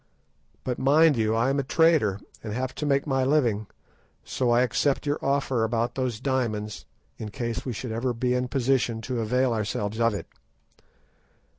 But mind you, I am a trader, and have to make my living, so I accept your offer about those diamonds in case we should ever be in a position to avail ourselves of it.